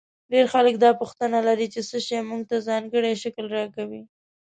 ډېر خلک دا پوښتنه لري چې څه شی موږ ته ځانګړی شکل راکوي.